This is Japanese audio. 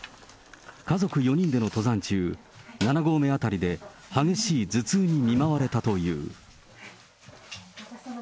家族４人での登山中、７合目辺りで激しい頭痛に見舞われたという。